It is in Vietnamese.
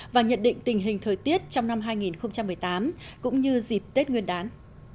và nhận định tình hình thời tiết trong năm hai nghìn một mươi tám cũng như dịp tết nguyên đán